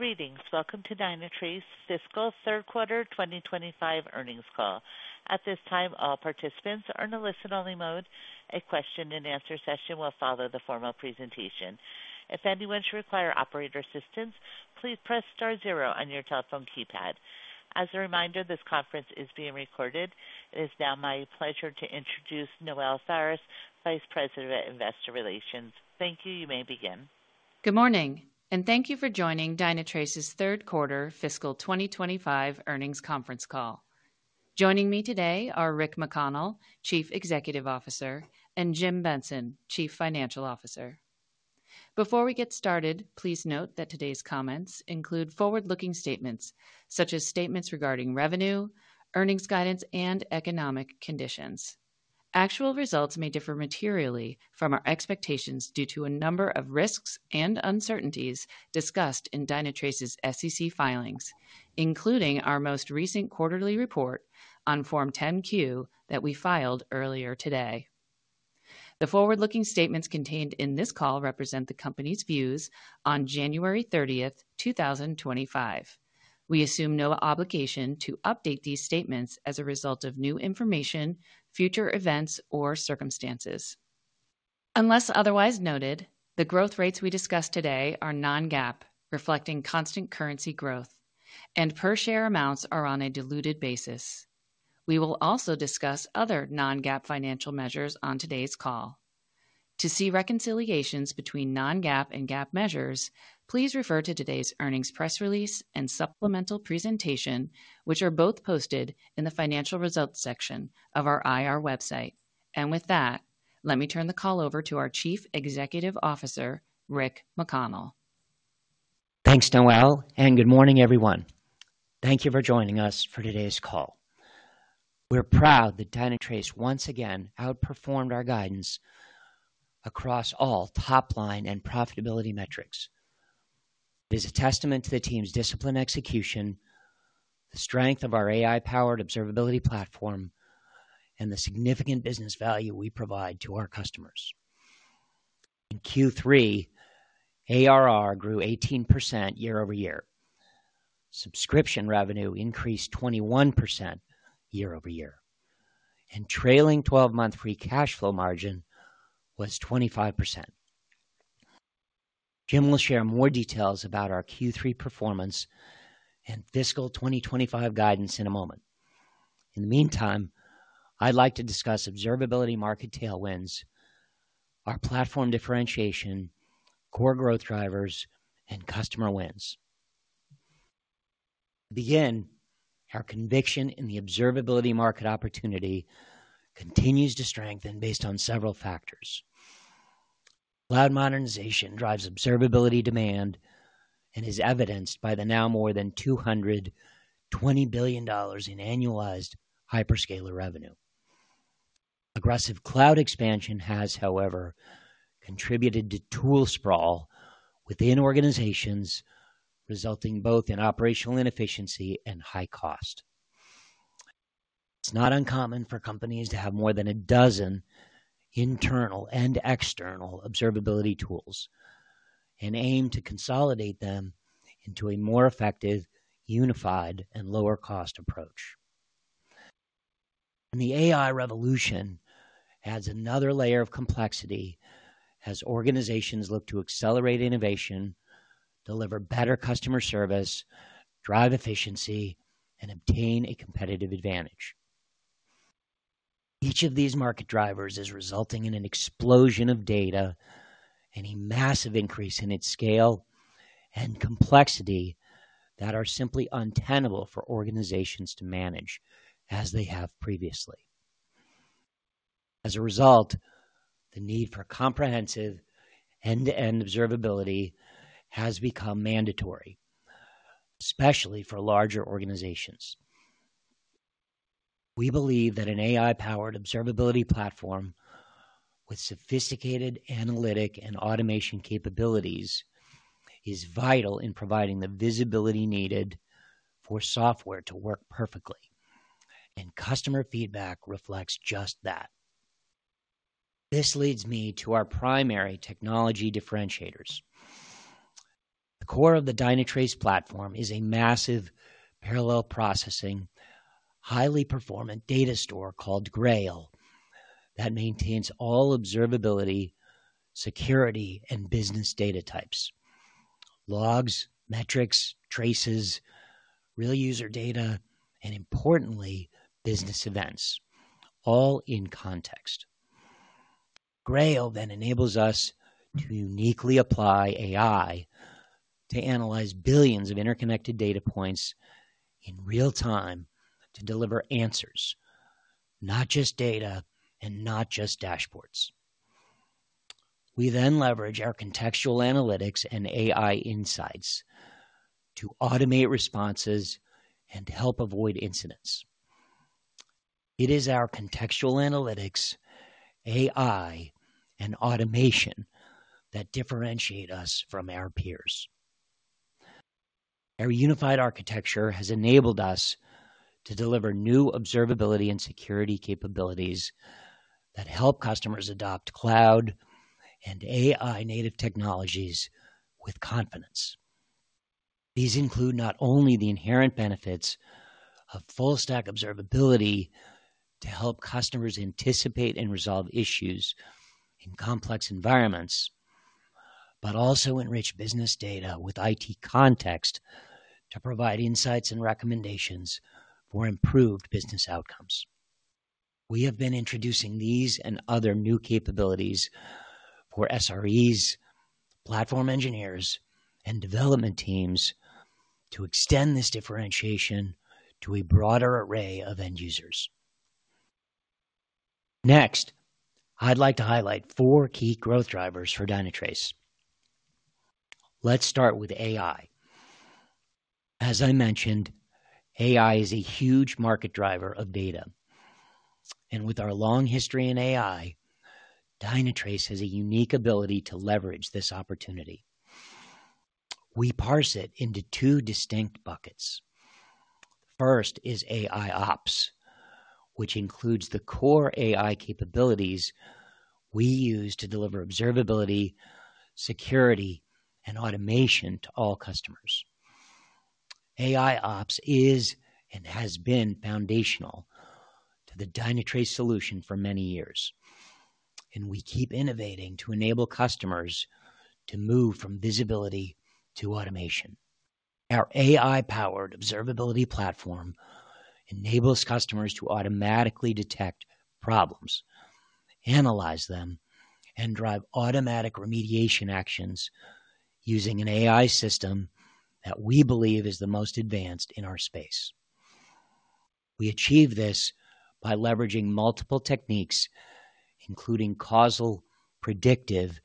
Greetings. Welcome to Dynatrace's Fiscal Third Quarter 2025 Earnings Call. At this time, all participants are in a listen-only mode. A question-and-answer session will follow the formal presentation. If anyone should require operator assistance, please press star zero on your telephone keypad. As a reminder, this conference is being recorded. It is now my pleasure to introduce Noelle Faris, Vice President, Investor Relations. Thank you. You may begin. Good morning, and thank you for joining Dynatrace's Third Quarter Fiscal 2025 Earnings Conference Call. Joining me today are Rick McConnell, Chief Executive Officer, and Jim Benson, Chief Financial Officer. Before we get started, please note that today's comments include forward-looking statements such as statements regarding revenue, earnings guidance, and economic conditions. Actual results may differ materially from our expectations due to a number of risks and uncertainties discussed in Dynatrace's SEC filings, including our most recent quarterly report on Form 10-Q that we filed earlier today. The forward-looking statements contained in this call represent the company's views on January 30th, 2025. We assume no obligation to update these statements as a result of new information, future events, or circumstances. Unless otherwise noted, the growth rates we discuss today are non-GAAP, reflecting constant currency growth, and per-share amounts are on a diluted basis. We will also discuss other non-GAAP financial measures on today's call. To see reconciliations between non-GAAP and GAAP measures, please refer to today's earnings press release and supplemental presentation, which are both posted in the financial results section of our IR website. And with that, let me turn the call over to our Chief Executive Officer, Rick McConnell. Thanks, Noelle, and good morning, everyone. Thank you for joining us for today's call. We're proud that Dynatrace once again outperformed our guidance across all top line and profitability metrics. It is a testament to the team's discipline execution, the strength of our AI-powered observability platform, and the significant business value we provide to our customers. In Q3, ARR grew 18% YoY. Subscription revenue increased 21% YoY, and trailing 12-month free cash flow margin was 25%. Jim will share more details about our Q3 performance and fiscal 2025 guidance in a moment. In the meantime, I'd like to discuss observability market tailwinds, our platform differentiation, core growth drivers, and customer wins. To begin, our conviction in the observability market opportunity continues to strengthen based on several factors. Cloud modernization drives observability demand and is evidenced by the now more than $220 billion in annualized hyperscale revenue. Aggressive cloud expansion has, however, contributed to tool sprawl within organizations, resulting both in operational inefficiency and high cost. It's not uncommon for companies to have more than a dozen internal and external observability tools and aim to consolidate them into a more effective, unified, and lower-cost approach. The AI revolution adds another layer of complexity as organizations look to accelerate innovation, deliver better customer service, drive efficiency, and obtain a competitive advantage. Each of these market drivers is resulting in an explosion of data, a massive increase in its scale, and complexity that are simply untenable for organizations to manage as they have previously. As a result, the need for comprehensive end-to-end observability has become mandatory, especially for larger organizations. We believe that an AI-powered observability platform with sophisticated analytic and automation capabilities is vital in providing the visibility needed for software to work perfectly, and customer feedback reflects just that. This leads me to our primary technology differentiators. The core of the Dynatrace platform is a massive parallel processing, highly performant data store called Grail that maintains all observability, security, and business data types: logs, metrics, traces, real user data, and importantly, business events, all in context. Grail then enables us to uniquely apply AI to analyze billions of interconnected data points in real time to deliver answers, not just data and not just dashboards. We then leverage our contextual analytics and AI insights to automate responses and to help avoid incidents. It is our contextual analytics, AI, and automation that differentiate us from our peers. Our unified architecture has enabled us to deliver new observability and security capabilities that help customers adopt cloud and AI-native technologies with confidence. These include not only the inherent benefits of full-stack observability to help customers anticipate and resolve issues in complex environments, but also enrich business data with IT context to provide insights and recommendations for improved business outcomes. We have been introducing these and other new capabilities for SREs, platform engineers, and development teams to extend this differentiation to a broader array of end users. Next, I'd like to highlight four key growth drivers for Dynatrace. Let's start with AI. As I mentioned, AI is a huge market driver of data, and with our long history in AI, Dynatrace has a unique ability to leverage this opportunity. We parse it into two distinct buckets. First is AIOps, which includes the core AI capabilities we use to deliver observability, security, and automation to all customers. AIOps is and has been foundational to the Dynatrace solution for many years, and we keep innovating to enable customers to move from visibility to automation. Our AI-powered observability platform enables customers to automatically detect problems, analyze them, and drive automatic remediation actions using an AI system that we believe is the most advanced in our space. We achieve this by leveraging multiple techniques, including causal, predictive,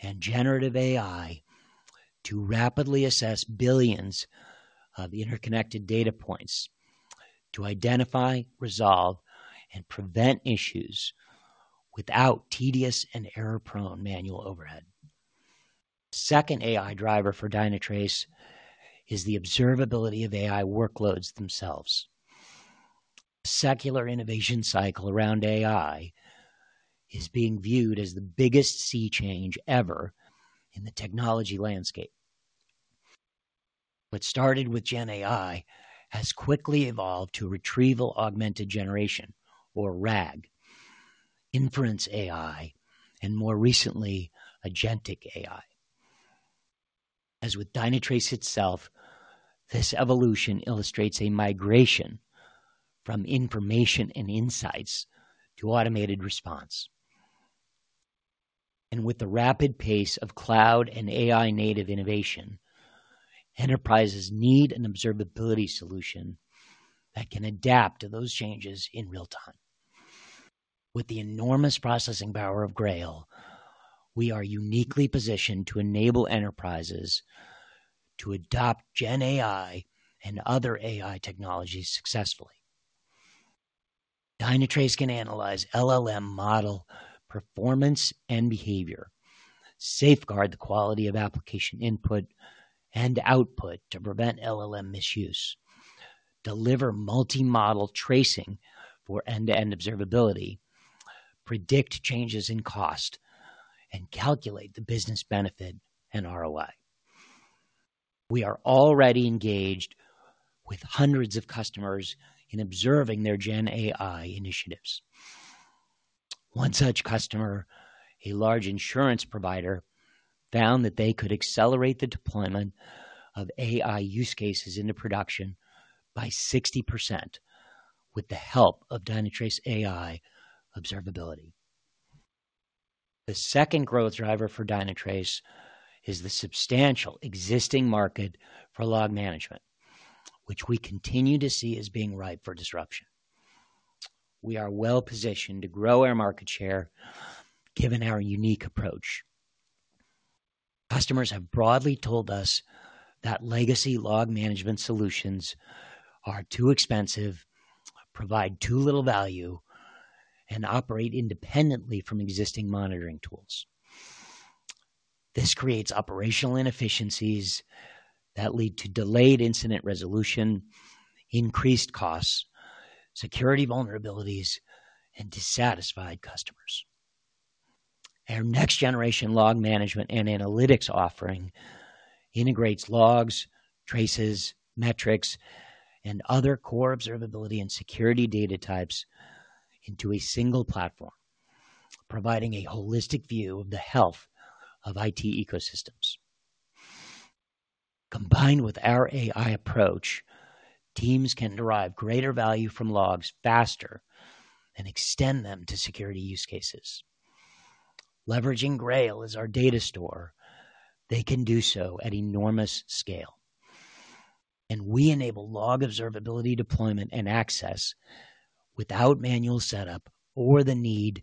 and generative AI, to rapidly assess billions of interconnected data points to identify, resolve, and prevent issues without tedious and error-prone manual overhead. The second AI driver for Dynatrace is the observability of AI workloads themselves. The secular innovation cycle around AI is being viewed as the biggest sea change ever in the technology landscape. What started with GenAI has quickly evolved to Retrieval Augmented Generation, or RAG, inference AI, and more recently, agentic AI. As with Dynatrace itself, this evolution illustrates a migration from information and insights to automated response. With the rapid pace of cloud and AI-native innovation, enterprises need an observability solution that can adapt to those changes in real time. With the enormous processing power of Grail, we are uniquely positioned to enable enterprises to adopt GenAI and other AI technologies successfully. Dynatrace can analyze LLM model performance and behavior, safeguard the quality of application input and output to prevent LLM misuse, deliver multi-model tracing for end-to-end observability, predict changes in cost, and calculate the business benefit and ROI. We are already engaged with hundreds of customers in observing their GenAI initiatives. One such customer, a large insurance provider, found that they could accelerate the deployment of AI use cases into production by 60% with the help of Dynatrace AI observability. The second growth driver for Dynatrace is the substantial existing market for log management, which we continue to see as being ripe for disruption. We are well-positioned to grow our market share given our unique approach. Customers have broadly told us that legacy log management solutions are too expensive, provide too little value, and operate independently from existing monitoring tools. This creates operational inefficiencies that lead to delayed incident resolution, increased costs, security vulnerabilities, and dissatisfied customers. Our next-generation log management and analytics offering integrates logs, traces, metrics, and other core observability and security data types into a single platform, providing a holistic view of the health of IT ecosystems. Combined with our AI approach, teams can derive greater value from logs faster and extend them to security use cases. Leveraging Grail as our data store, they can do so at enormous scale, and we enable log observability deployment and access without manual setup or the need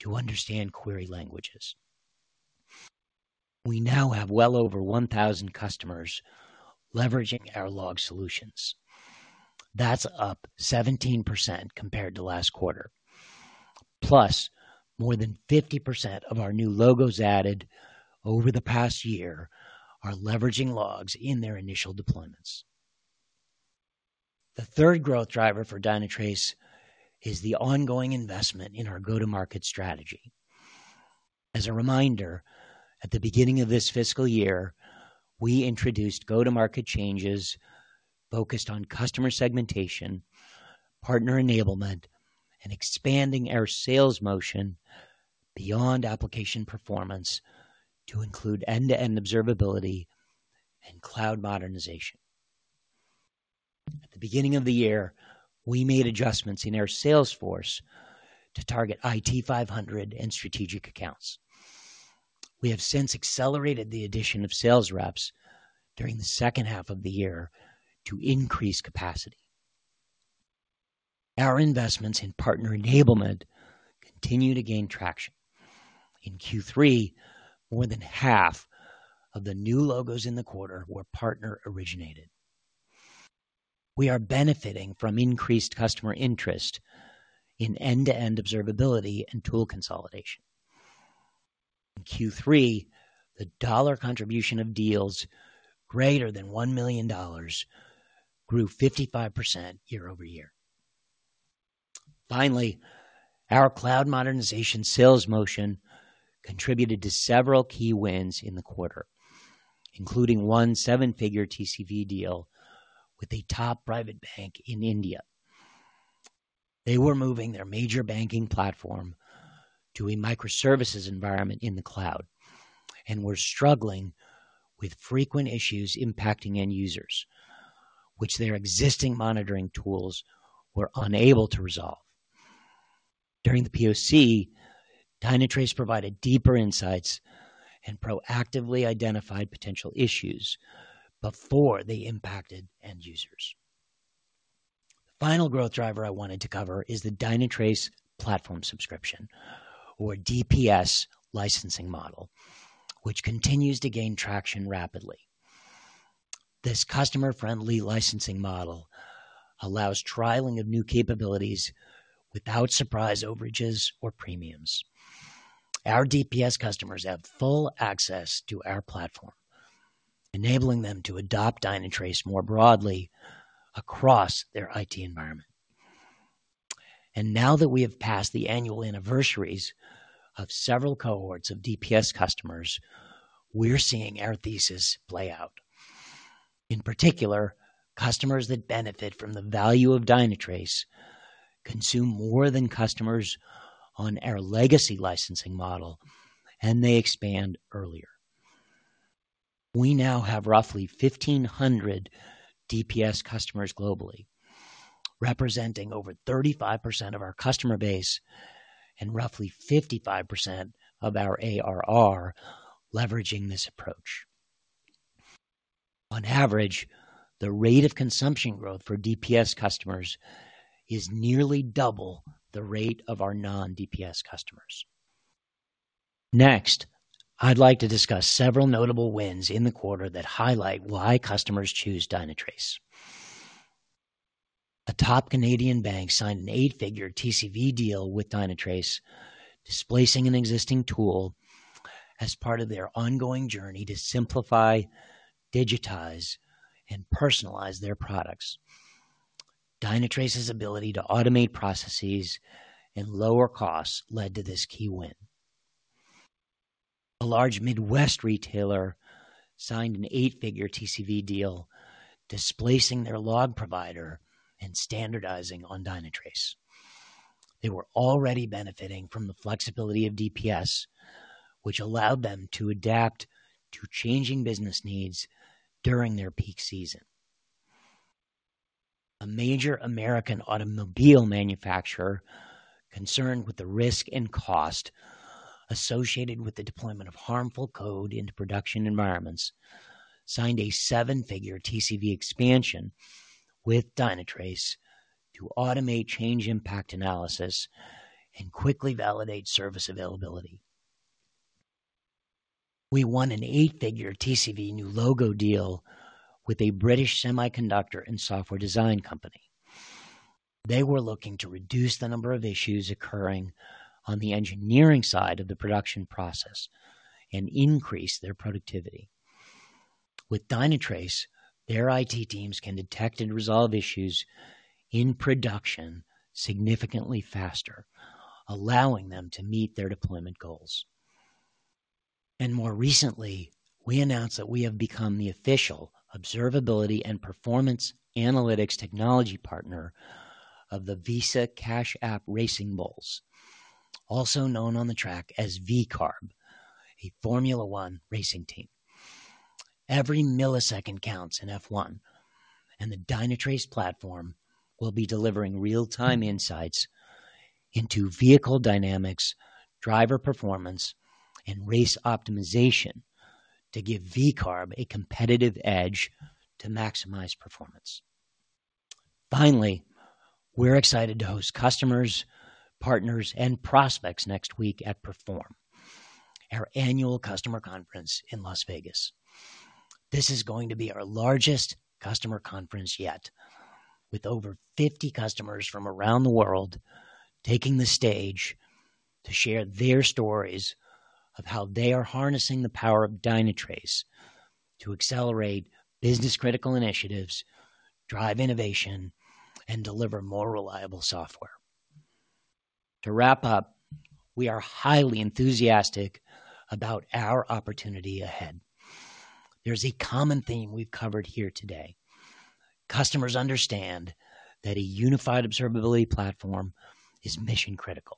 to understand query languages. We now have well over 1,000 customers leveraging our log solutions. That's up 17% compared to last quarter. Plus, more than 50% of our new logos added over the past year are leveraging logs in their initial deployments. The third growth driver for Dynatrace is the ongoing investment in our go-to-market strategy. As a reminder, at the beginning of this fiscal year, we introduced go-to-market changes focused on customer segmentation, partner enablement, and expanding our sales motion beyond application performance to include end-to-end observability and cloud modernization. At the beginning of the year, we made adjustments in our sales force to target IT500 and strategic accounts. We have since accelerated the addition of sales reps during the second half of the year to increase capacity. Our investments in partner enablement continue to gain traction. In Q3, more than half of the new logos in the quarter were partner originated. We are benefiting from increased customer interest in end-to-end observability and tool consolidation. In Q3, the dollar contribution of deals greater than $1 million grew 55% YoY. Finally, our cloud modernization sales motion contributed to several key wins in the quarter, including one seven-figure TCV deal with a top private bank in India. They were moving their major banking platform to a microservices environment in the cloud and were struggling with frequent issues impacting end users, which their existing monitoring tools were unable to resolve. During the POC, Dynatrace provided deeper insights and proactively identified potential issues before they impacted end users. The final growth driver I wanted to cover is the Dynatrace platform subscription, or DPS licensing model, which continues to gain traction rapidly. This customer-friendly licensing model allows trialing of new capabilities without surprise overages or premiums. Our DPS customers have full access to our platform, enabling them to adopt Dynatrace more broadly across their IT environment. And now that we have passed the annual anniversaries of several cohorts of DPS customers, we're seeing our thesis play out. In particular, customers that benefit from the value of Dynatrace consume more than customers on our legacy licensing model, and they expand earlier. We now have roughly 1,500 DPS customers globally, representing over 35% of our customer base and roughly 55% of our ARR leveraging this approach. On average, the rate of consumption growth for DPS customers is nearly double the rate of our non-DPS customers. Next, I'd like to discuss several notable wins in the quarter that highlight why customers choose Dynatrace. A top Canadian bank signed an eight-figure TCV deal with Dynatrace, displacing an existing tool as part of their ongoing journey to simplify, digitize, and personalize their products. Dynatrace's ability to automate processes and lower costs led to this key win. A large Midwest retailer signed an eight-figure TCV deal, displacing their log provider and standardizing on Dynatrace. They were already benefiting from the flexibility of DPS, which allowed them to adapt to changing business needs during their peak season. A major American automobile manufacturer, concerned with the risk and cost associated with the deployment of harmful code into production environments, signed a seven-figure TCV expansion with Dynatrace to automate change impact analysis and quickly validate service availability. We won an eight-figure TCV new logo deal with a British semiconductor and software design company. They were looking to reduce the number of issues occurring on the engineering side of the production process and increase their productivity. With Dynatrace, their IT teams can detect and resolve issues in production significantly faster, allowing them to meet their deployment goals, and more recently, we announced that we have become the official observability and performance analytics technology partner of the Visa Cash App Racing Bulls, also known on the track as VCARB, a Formula 1 racing team. Every millisecond counts in F1, and the Dynatrace platform will be delivering real-time insights into vehicle dynamics, driver performance, and race optimization to give VCARB a competitive edge to maximize performance. Finally, we're excited to host customers, partners, and prospects next week at Perform, our annual customer conference in Las Vegas. This is going to be our largest customer conference yet, with over 50 customers from around the world taking the stage to share their stories of how they are harnessing the power of Dynatrace to accelerate business-critical initiatives, drive innovation, and deliver more reliable software. To wrap up, we are highly enthusiastic about our opportunity ahead. There's a common theme we've covered here today. Customers understand that a unified observability platform is mission-critical.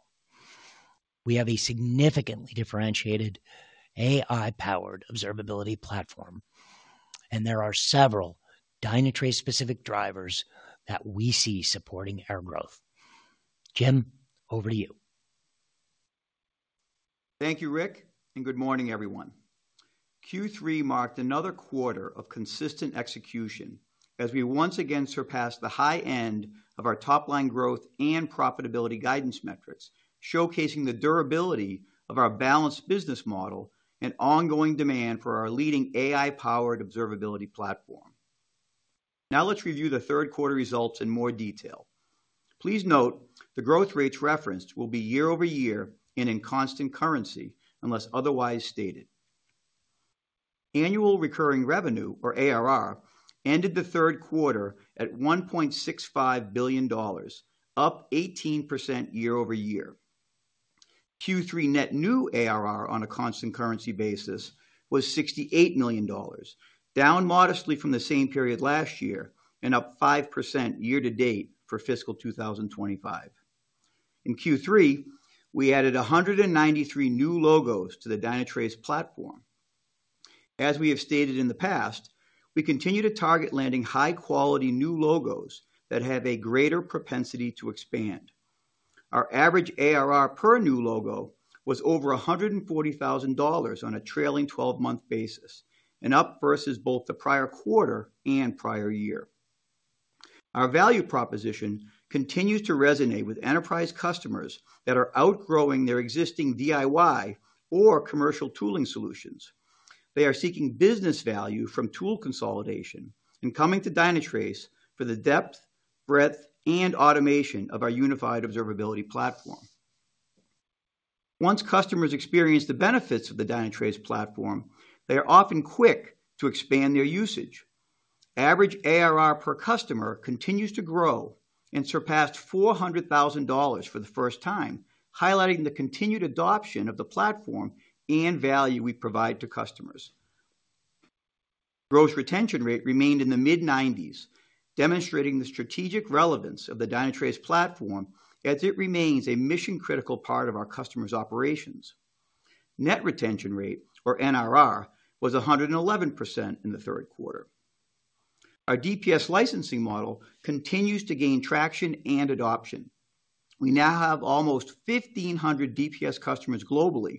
We have a significantly differentiated AI-powered observability platform, and there are several Dynatrace-specific drivers that we see supporting our growth. Jim, over to you. Thank you, Rick, and good morning, everyone. Q3 marked another quarter of consistent execution as we once again surpassed the high end of our top-line growth and profitability guidance metrics, showcasing the durability of our balanced business model and ongoing demand for our leading AI-powered observability platform. Now let's review the third quarter results in more detail. Please note the growth rates referenced will be YoY and in constant currency unless otherwise stated. Annual recurring revenue, or ARR, ended the third quarter at $1.65 billion, up 18% YoY. Q3 net new ARR on a constant currency basis was $68 million, down modestly from the same period last year and up 5% year-to-date for fiscal 2025. In Q3, we added 193 new logos to the Dynatrace platform. As we have stated in the past, we continue to target landing high-quality new logos that have a greater propensity to expand. Our average ARR per new logo was over $140,000 on a trailing 12-month basis, an up versus both the prior quarter and prior year. Our value proposition continues to resonate with enterprise customers that are outgrowing their existing DIY or commercial tooling solutions. They are seeking business value from tool consolidation and coming to Dynatrace for the depth, breadth, and automation of our unified observability platform. Once customers experience the benefits of the Dynatrace platform, they are often quick to expand their usage. Average ARR per customer continues to grow and surpassed $400,000 for the first time, highlighting the continued adoption of the platform and value we provide to customers. Gross retention rate remained in the mid-90s, demonstrating the strategic relevance of the Dynatrace platform as it remains a mission-critical part of our customers' operations. Net retention rate, or NRR, was 111% in the third quarter. Our DPS licensing model continues to gain traction and adoption. We now have almost 1,500 DPS customers globally,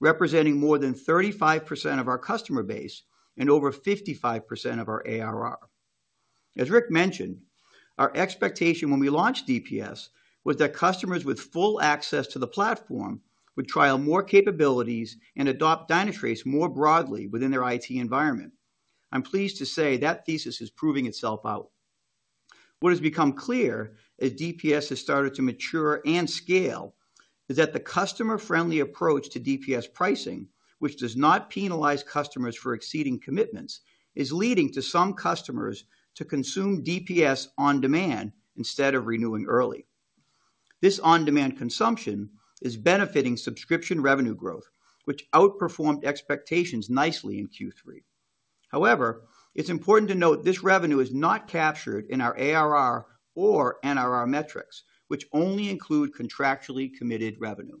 representing more than 35% of our customer base and over 55% of our ARR. As Rick mentioned, our expectation when we launched DPS was that customers with full access to the platform would trial more capabilities and adopt Dynatrace more broadly within their IT environment. I'm pleased to say that thesis is proving itself out. What has become clear as DPS has started to mature and scale is that the customer-friendly approach to DPS pricing, which does not penalize customers for exceeding commitments, is leading to some customers consuming DPS on demand instead of renewing early. This on-demand consumption is benefiting subscription revenue growth, which outperformed expectations nicely in Q3. However, it's important to note this revenue is not captured in our ARR or NRR metrics, which only include contractually committed revenue.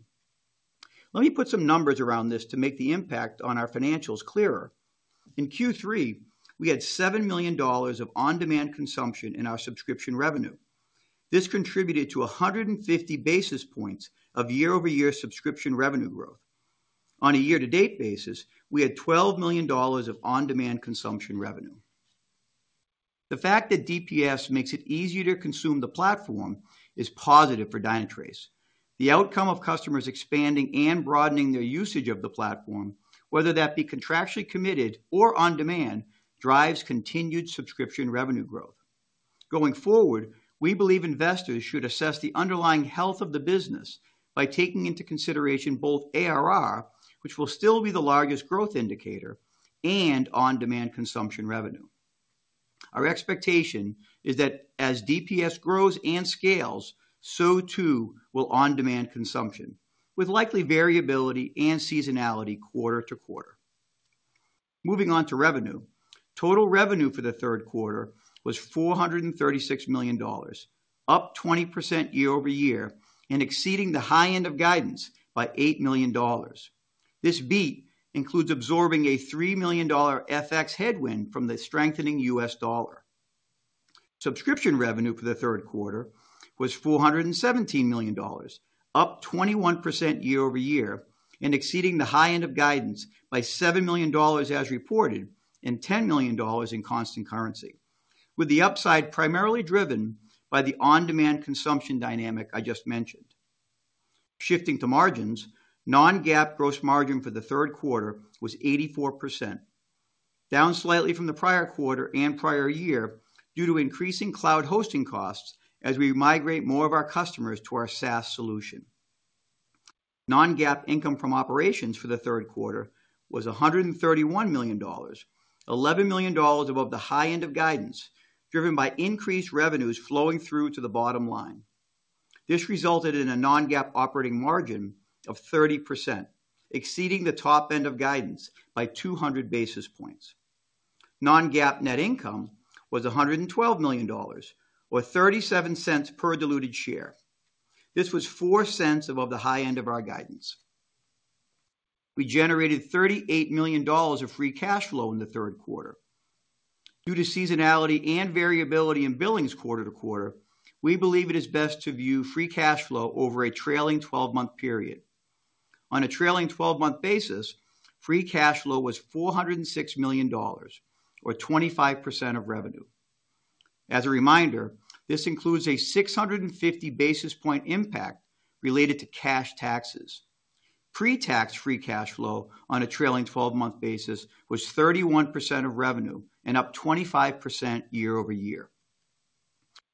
Let me put some numbers around this to make the impact on our financials clearer. In Q3, we had $7 million of on-demand consumption in our subscription revenue. This contributed to 150 basis points of YoY subscription revenue growth. On a year-to-date basis, we had $12 million of on-demand consumption revenue. The fact that DPS makes it easier to consume the platform is positive for Dynatrace. The outcome of customers expanding and broadening their usage of the platform, whether that be contractually committed or on demand, drives continued subscription revenue growth. Going forward, we believe investors should assess the underlying health of the business by taking into consideration both ARR, which will still be the largest growth indicator, and on-demand consumption revenue. Our expectation is that as DPS grows and scales, so too will on-demand consumption, with likely variability and seasonality quarter to quarter. Moving on to revenue, total revenue for the third quarter was $436 million, up 20% YoY and exceeding the high end of guidance by $8 million. This beat includes absorbing a $3 million FX headwind from the strengthening U.S. dollar. Subscription revenue for the third quarter was $417 million, up 21% YoY and exceeding the high end of guidance by $7 million as reported and $10 million in constant currency, with the upside primarily driven by the on-demand consumption dynamic I just mentioned. Shifting to margins, non-GAAP gross margin for the third quarter was 84%, down slightly from the prior quarter and prior year due to increasing cloud hosting costs as we migrate more of our customers to our SaaS solution. Non-GAAP income from operations for the third quarter was $131 million, $11 million above the high end of guidance, driven by increased revenues flowing through to the bottom line. This resulted in a non-GAAP operating margin of 30%, exceeding the top end of guidance by 200 basis points. Non-GAAP net income was $112 million, or $0.37 per diluted share. This was $0.04 above the high end of our guidance. We generated $38 million of free cash flow in the third quarter. Due to seasonality and variability in billings quarter to quarter, we believe it is best to view free cash flow over a trailing 12-month period. On a trailing 12-month basis, free cash flow was $406 million, or 25% of revenue. As a reminder, this includes a 650 basis point impact related to cash taxes. Pre-tax free cash flow on a trailing 12-month basis was 31% of revenue and up 25% YoY.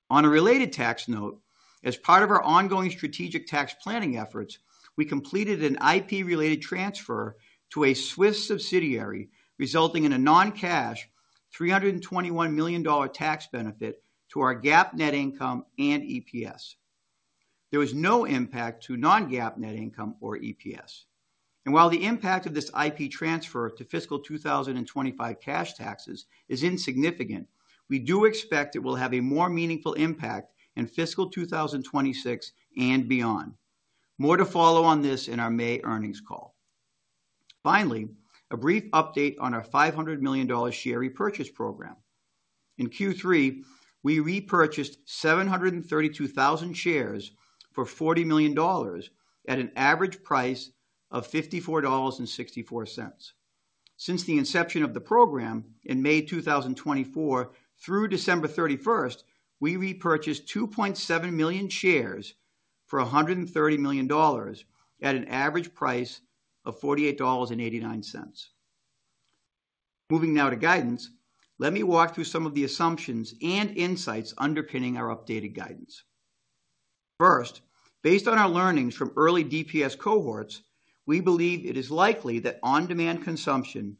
On a related tax note, as part of our ongoing strategic tax planning efforts, we completed an IP-related transfer to a Swiss subsidiary, resulting in a non-cash $321 million tax benefit to our GAAP net income and EPS. There was no impact to non-GAAP net income or EPS. And while the impact of this IP transfer to fiscal 2025 cash taxes is insignificant, we do expect it will have a more meaningful impact in fiscal 2026 and beyond. More to follow on this in our May earnings call. Finally, a brief update on our $500 million share repurchase program. In Q3, we repurchased 732,000 shares for $40 million at an average price of $54.64. Since the inception of the program in May 2024 through December 31st, we repurchased 2.7 million shares for $130 million at an average price of $48.89. Moving now to guidance, let me walk through some of the assumptions and insights underpinning our updated guidance. First, based on our learnings from early DPS cohorts, we believe it is likely that on-demand consumption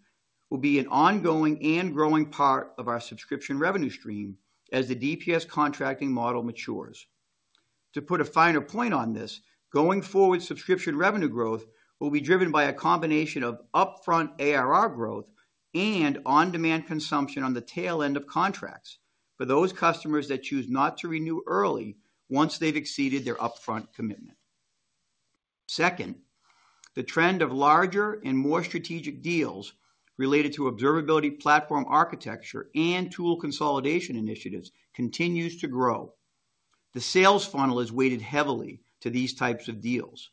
will be an ongoing and growing part of our subscription revenue stream as the DPS contracting model matures. To put a finer point on this, going forward, subscription revenue growth will be driven by a combination of upfront ARR growth and on-demand consumption on the tail end of contracts for those customers that choose not to renew early once they've exceeded their upfront commitment. Second, the trend of larger and more strategic deals related to observability platform architecture and tool consolidation initiatives continues to grow. The sales funnel is weighted heavily to these types of deals.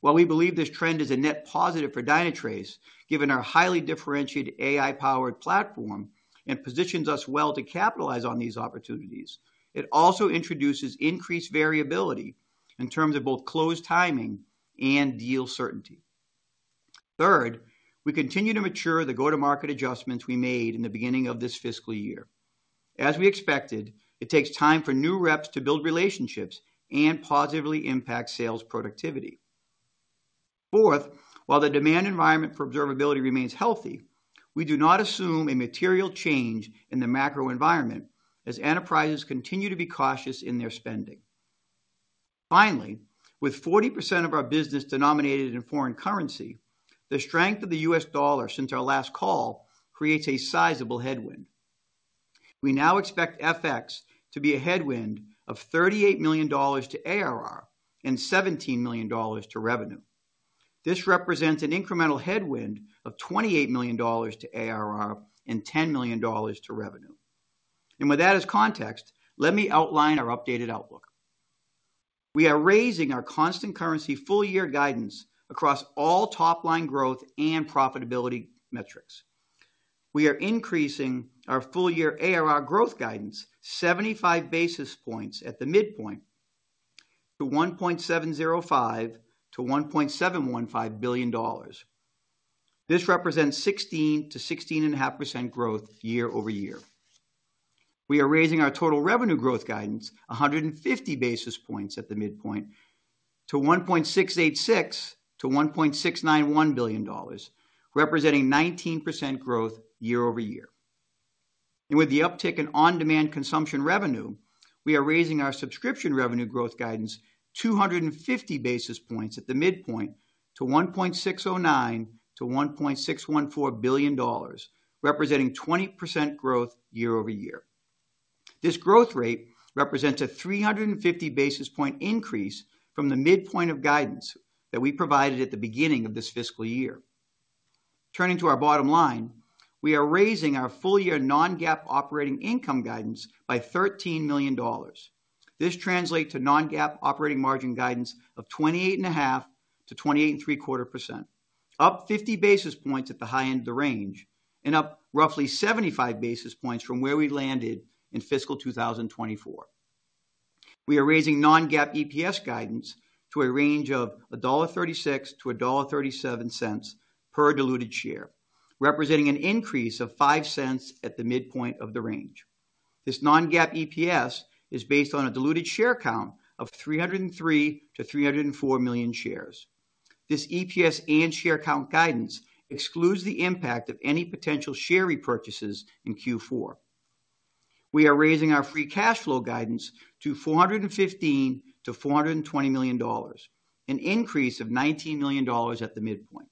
While we believe this trend is a net positive for Dynatrace, given our highly differentiated AI-powered platform and positions us well to capitalize on these opportunities, it also introduces increased variability in terms of both closed timing and deal certainty. Third, we continue to mature the go-to-market adjustments we made in the beginning of this fiscal year. As we expected, it takes time for new reps to build relationships and positively impact sales productivity. Fourth, while the demand environment for observability remains healthy, we do not assume a material change in the macro environment as enterprises continue to be cautious in their spending. Finally, with 40% of our business denominated in foreign currency, the strength of the U.S. dollar since our last call creates a sizable headwind. We now expect FX to be a headwind of $38 million to ARR and $17 million to revenue. This represents an incremental headwind of $28 million to ARR and $10 million to revenue. And with that as context, let me outline our updated outlook. We are raising our constant currency full-year guidance across all top-line growth and profitability metrics. We are increasing our full-year ARR growth guidance 75 basis points at the midpoint to $1.705-$1.715 billion. This represents 16%-16.5% growth YoY. We are raising our total revenue growth guidance 150 basis points at the midpoint to $1.686-$1.691 billion, representing 19% growth YoY. And with the uptick in on-demand consumption revenue, we are raising our subscription revenue growth guidance 250 basis points at the midpoint to $1.609-$1.614 billion, representing 20% growth YoY. This growth rate represents a 350 basis point increase from the midpoint of guidance that we provided at the beginning of this fiscal year. Turning to our bottom line, we are raising our full-year non-GAAP operating income guidance by $13 million. This translates to non-GAAP operating margin guidance of 28.5%-28.75%, up 50 basis points at the high end of the range and up roughly 75 basis points from where we landed in fiscal 2024. We are raising non-GAAP EPS guidance to a range of $1.36-$1.37 per diluted share, representing an increase of $0.05 at the midpoint of the range. This non-GAAP EPS is based on a diluted share count of 303-304 million shares. This EPS and share count guidance excludes the impact of any potential share repurchases in Q4. We are raising our free cash flow guidance to $415-$420 million, an increase of $19 million at the midpoint,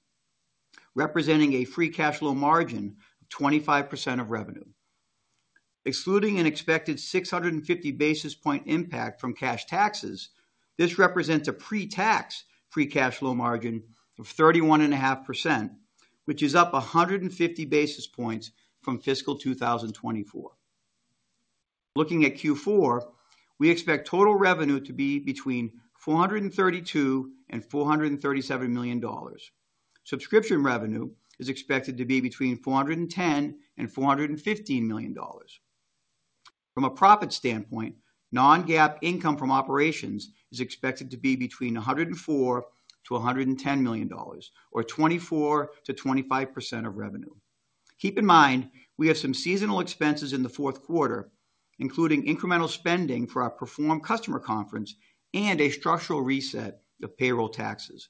representing a free cash flow margin of 25% of revenue. Excluding an expected 650 basis point impact from cash taxes, this represents a pre-tax free cash flow margin of 31.5%, which is up 150 basis points from fiscal 2024. Looking at Q4, we expect total revenue to be between $432 and $437 million. Subscription revenue is expected to be between $410 and $415 million. From a profit standpoint, non-GAAP income from operations is expected to be between $104-$110 million, or 24%-25% of revenue. Keep in mind, we have some seasonal expenses in the fourth quarter, including incremental spending for our perform customer conference and a structural reset of payroll taxes.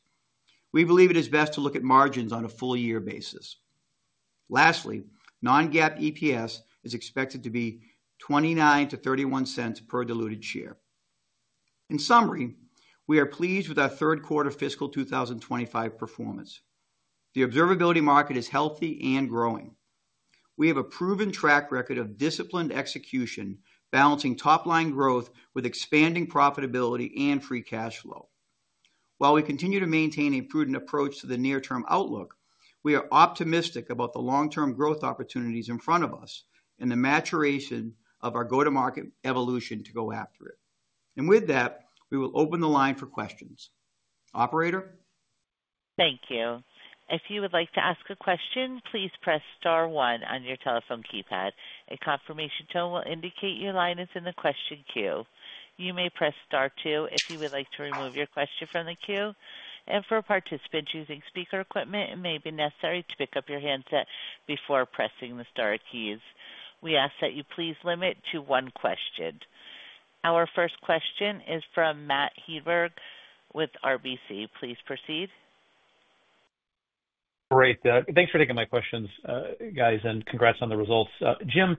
We believe it is best to look at margins on a full-year basis. Lastly, non-GAAP EPS is expected to be $0.29-$0.31 per diluted share. In summary, we are pleased with our third quarter fiscal 2025 performance. The observability market is healthy and growing. We have a proven track record of disciplined execution, balancing top-line growth with expanding profitability and free cash flow. While we continue to maintain a prudent approach to the near-term outlook, we are optimistic about the long-term growth opportunities in front of us and the maturation of our go-to-market evolution to go after it. And with that, we will open the line for questions. Operator? Thank you. If you would like to ask a question, please press star one on your telephone keypad. A confirmation tone will indicate your line is in the question queue. You may press star two if you would like to remove your question from the queue. And for participants using speaker equipment, it may be necessary to pick up your handset before pressing the star keys. We ask that you please limit to one question. Our first question is from Matt Hedberg with RBC. Please proceed. Great. Thanks for taking my questions, guys, and congrats on the results. Jim,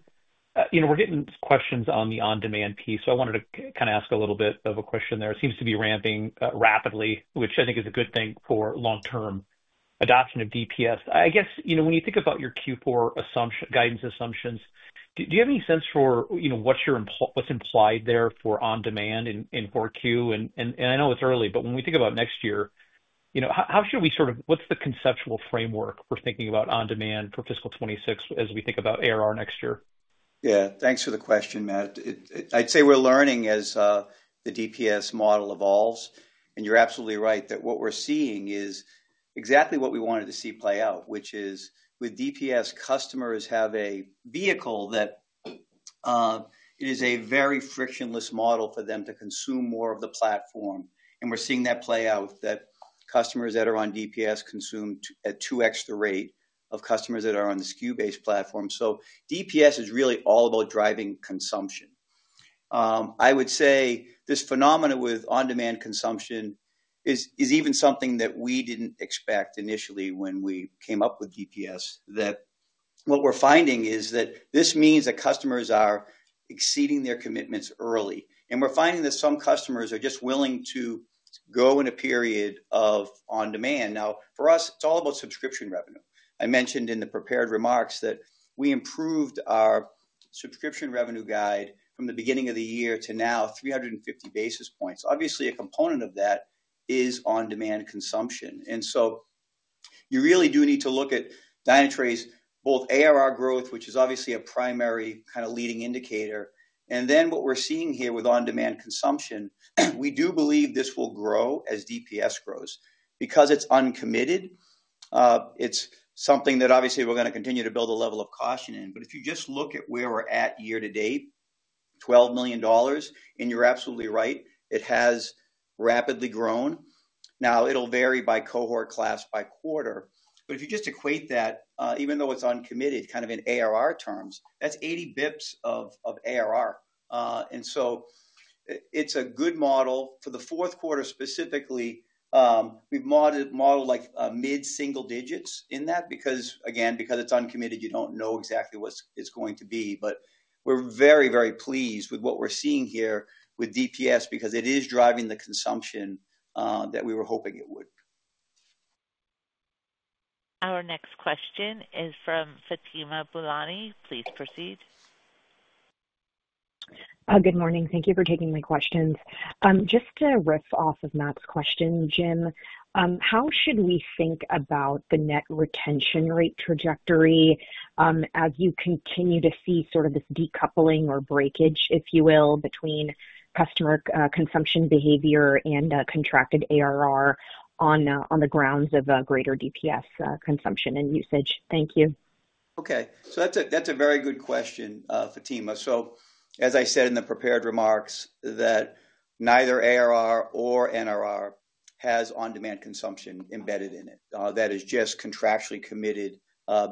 you know we're getting questions on the on-demand piece, so I wanted to kind of ask a little bit of a question there. It seems to be ramping rapidly, which I think is a good thing for long-term adoption of DPS. I guess, you know when you think about your Q4 guidance assumptions, do you have any sense for what's implied there for on-demand in Q4? And I know it's early, but when we think about next year, you know how should we sort of - what's the conceptual framework for thinking about on-demand for fiscal 2026 as we think about ARR next year? Yeah, thanks for the question, Matt. I'd say we're learning as the DPS model evolves. You're absolutely right that what we're seeing is exactly what we wanted to see play out, which is with DPS, customers have a vehicle that it is a very frictionless model for them to consume more of the platform. We're seeing that play out that customers that are on DPS consume at a 2x rate of customers that are on the SKU-based platform. DPS is really all about driving consumption. I would say this phenomenon with on-demand consumption is even something that we didn't expect initially when we came up with DPS. What we're finding is that this means that customers are exceeding their commitments early. We're finding that some customers are just willing to go in a period of on-demand. Now, for us, it's all about subscription revenue. I mentioned in the prepared remarks that we improved our subscription revenue guide from the beginning of the year to now, 350 basis points. Obviously, a component of that is on-demand consumption. And so you really do need to look at Dynatrace's both ARR growth, which is obviously a primary kind of leading indicator. And then what we're seeing here with on-demand consumption, we do believe this will grow as DPS grows because it's uncommitted. It's something that obviously we're going to continue to build a level of caution in. But if you just look at where we're at year to date, $12 million, and you're absolutely right, it has rapidly grown. Now, it'll vary by cohort class by quarter. But if you just equate that, even though it's uncommitted, kind of in ARR terms, that's 80 basis points of ARR. And so it's a good model for the fourth quarter specifically. We've modeled like mid-single digits in that because, again, because it's uncommitted, you don't know exactly what it's going to be. But we're very, very pleased with what we're seeing here with DPS because it is driving the consumption that we were hoping it would. Our next question is from Fatima Boolani. Please proceed. Good morning. Thank you for taking my questions. Just to riff off of Matt's question, Jim, how should we think about the net retention rate trajectory as you continue to see sort of this decoupling or breakage, if you will, between customer consumption behavior and contracted ARR on the grounds of greater DPS consumption and usage? Thank you. Okay. So that's a very good question, Fatima. So, as I said in the prepared remarks, that neither ARR nor NRR has on-demand consumption embedded in it. That is just contractually committed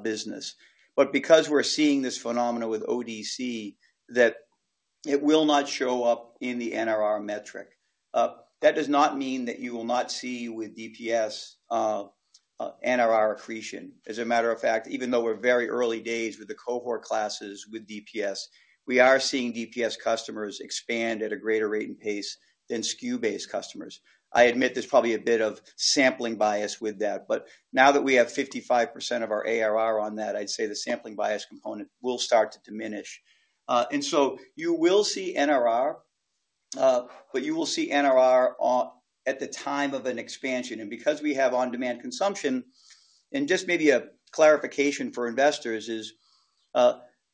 business. But because we're seeing this phenomenon with ODC, that it will not show up in the NRR metric. That does not mean that you will not see with DPS NRR accretion. As a matter of fact, even though we're very early days with the cohort classes with DPS, we are seeing DPS customers expand at a greater rate and pace than SKU-based customers. I admit there's probably a bit of sampling bias with that. But now that we have 55% of our ARR on that, I'd say the sampling bias component will start to diminish. And so you will see NRR, but you will see NRR at the time of an expansion. And because we have on-demand consumption, and just maybe a clarification for investors is,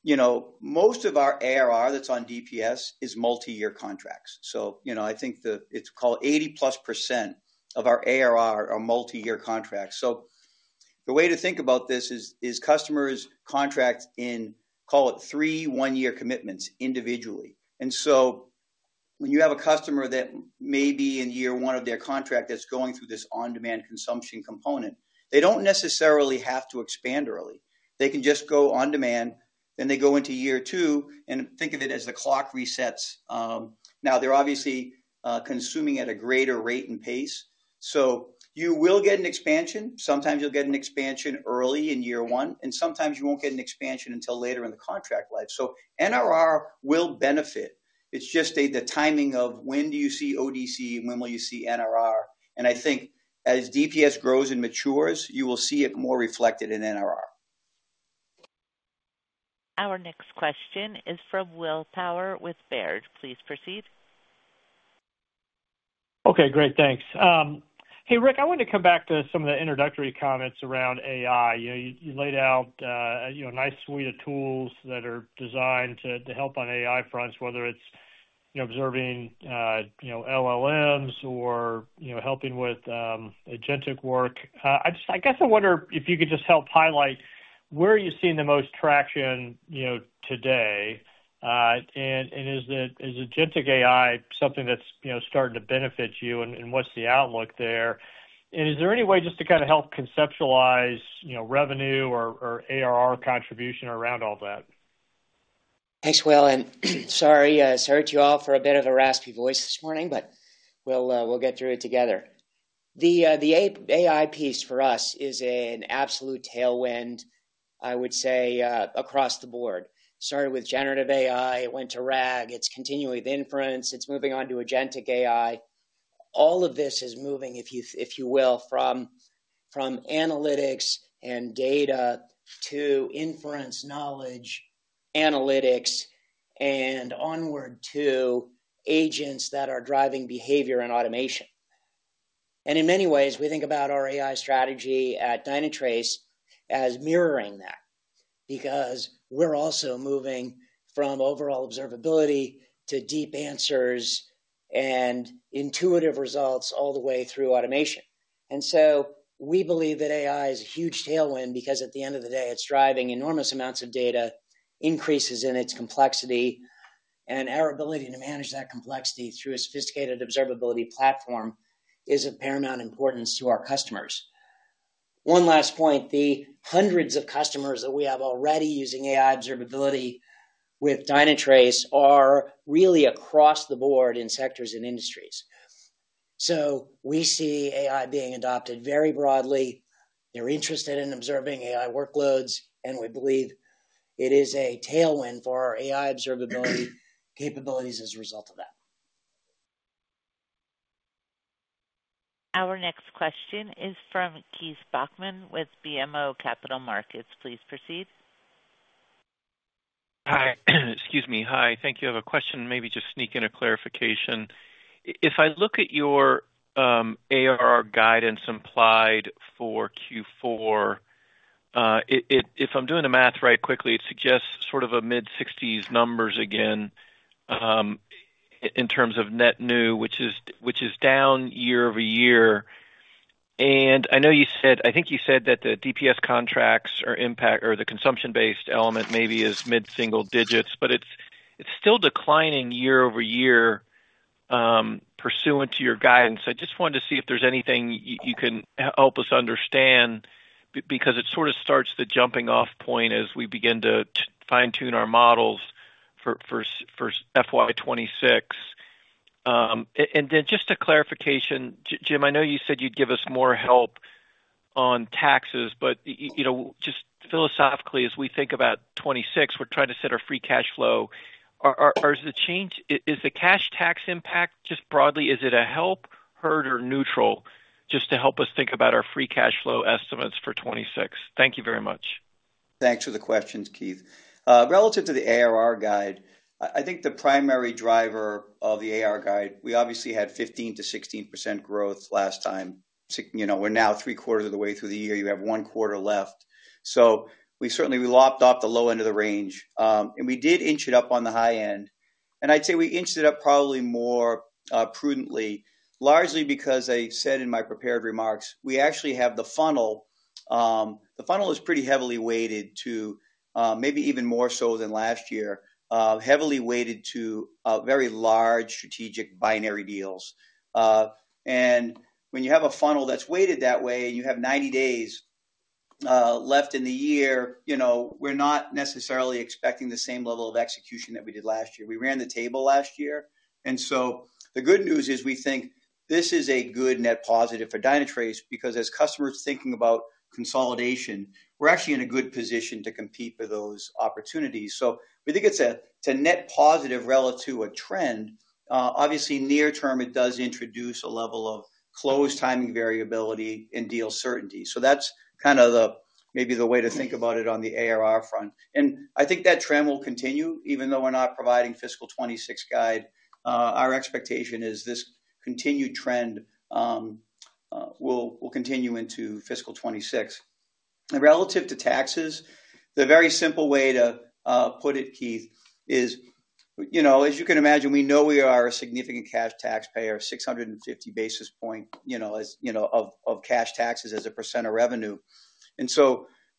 you know, most of our ARR that's on DPS is multi-year contracts. So, you know, I think it's called 80-plus% of our ARR are multi-year contracts. So the way to think about this is customers contract in, call it three one-year commitments individually. And so when you have a customer that may be in year one of their contract that's going through this on-demand consumption component, they don't necessarily have to expand early. They can just go on-demand, then they go into year two and think of it as the clock resets. Now, they're obviously consuming at a greater rate and pace. So you will get an expansion. Sometimes you'll get an expansion early in year one, and sometimes you won't get an expansion until later in the contract life. So NRR will benefit. It's just the timing of when do you see ODC, when will you see NRR? And I think as DPS grows and matures, you will see it more reflected in NRR. Our next question is from Will Power with Baird. Please proceed. Okay, great. Thanks. Hey, Rick, I wanted to come back to some of the introductory comments around AI. You laid out a nice suite of tools that are designed to help on AI fronts, whether it's observing LLMs or helping with agentic work. I guess I wonder if you could just help highlight where are you seeing the most traction today? And is agentic AI something that's starting to benefit you, and what's the outlook there? And is there any way just to kind of help conceptualize revenue or ARR contribution around all that? Thanks, Will. And sorry to you all for a bit of a raspy voice this morning, but we'll get through it together. The AI piece for us is an absolute tailwind, I would say, across the board. Started with generative AI, it went to RAG, it's continuing with inference, it's moving on to agentic AI. All of this is moving, if you will, from analytics and data to inference knowledge, analytics, and onward to agents that are driving behavior and automation. And in many ways, we think about our AI strategy at Dynatrace as mirroring that because we're also moving from overall observability to deep answers and intuitive results all the way through automation. And so we believe that AI is a huge tailwind because at the end of the day, it's driving enormous amounts of data, increases in its complexity, and our ability to manage that complexity through a sophisticated observability platform is of paramount importance to our customers. One last point, the hundreds of customers that we have already using AI observability with Dynatrace are really across the board in sectors and industries. So we see AI being adopted very broadly. They're interested in observing AI workloads, and we believe it is a tailwind for our AI observability capabilities as a result of that. Our next question is from Keith Bachman with BMO Capital Markets. Please proceed. Hi. Excuse me. Hi. Thank you. I have a question, maybe just sneak in a clarification. If I look at your ARR guidance implied for Q4, if I'm doing the math right quickly, it suggests sort of a mid-60s numbers again in terms of net new, which is down YoY. And I know you said, I think you said that the DPS contracts or the consumption-based element maybe is mid-single digits, but it's still declining YoY pursuant to your guidance. I just wanted to see if there's anything you can help us understand because it sort of starts the jumping-off point as we begin to fine-tune our models for FY26. And then just a clarification, Jim, I know you said you'd give us more help on taxes, but just philosophically, as we think about '26, we're trying to set our free cash flow. Is the cash tax impact just broadly, is it a help, hurt, or neutral just to help us think about our free cash flow estimates for '26? Thank you very much. Thanks for the questions, Keith. Relative to the ARR guide, I think the primary driver of the ARR guide. We obviously had 15%-16% growth last time. We're now three quarters of the way through the year. You have one quarter left. So we certainly lopped off the low end of the range. We did inch it up on the high end. I'd say we inched it up probably more prudently, largely because I said in my prepared remarks, we actually have the funnel. The funnel is pretty heavily weighted to, maybe even more so than last year, heavily weighted to very large strategic binary deals. When you have a funnel that's weighted that way, you have 90 days left in the year. We're not necessarily expecting the same level of execution that we did last year. We ran the table last year. The good news is we think this is a good net positive for Dynatrace because as customers thinking about consolidation, we're actually in a good position to compete for those opportunities. We think it's a net positive relative to a trend. Obviously, near term, it does introduce a level of closed timing variability and deal certainty. That's kind of maybe the way to think about it on the ARR front. That trend will continue even though we're not providing fiscal 2026 guide. Our expectation is this continued trend will continue into fiscal 2026. Relative to taxes, the very simple way to put it, Keith, is, you know, as you can imagine, we know we are a significant cash taxpayer, 650 basis points of cash taxes as a percent of revenue.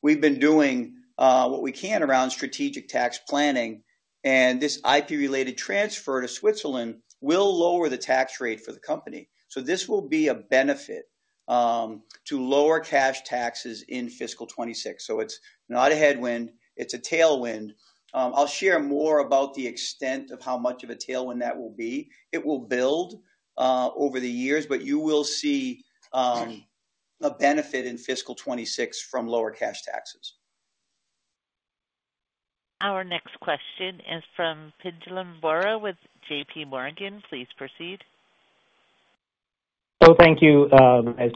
We've been doing what we can around strategic tax planning. This IP-related transfer to Switzerland will lower the tax rate for the company. So this will be a benefit to lower cash taxes in fiscal 2026. So it's not a headwind. It's a tailwind. I'll share more about the extent of how much of a tailwind that will be. It will build over the years, but you will see a benefit in fiscal 2026 from lower cash taxes. Our next question is from Pinjalim Bora with JPMorgan. Please proceed. Oh, thank you. Jim, I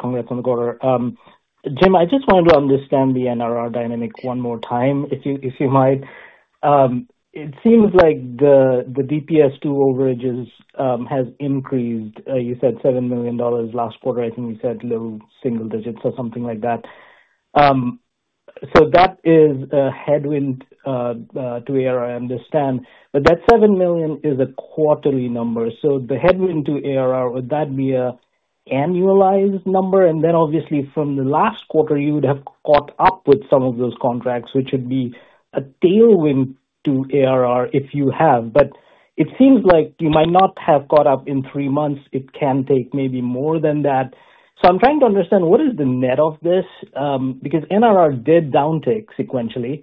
just wanted to understand the NRR dynamic one more time, if you might. It seems like the DPS to overages has increased. You said $7 million last quarter. I think you said little single digits or something like that. So that is a headwind to ARR, I understand. But that $7 million is a quarterly number. So the headwind to ARR, would that be an annualized number? And then obviously from the last quarter, you would have caught up with some of those contracts, which would be a tailwind to ARR if you have. But it seems like you might not have caught up in three months. It can take maybe more than that. So I'm trying to understand what is the net of this because NRR did downtick sequentially.